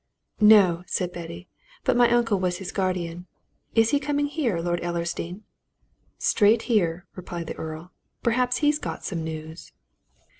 "No," said Betty. "But my uncle was his guardian. Is he coming here, Lord Ellersdeane?" "Straight here," replied the Earl. "Perhaps he's got some news."